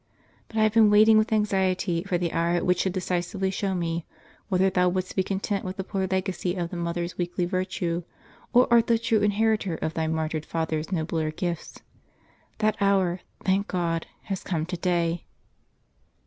But I have been waiting with anx iety for the hour which should decisively show me whether thou wouldst be content with the poor legacy of thy mother's weakly virtue, or art the true inheritor of thy martyred father's nobler gifts. That hour, thank God, has come to day!"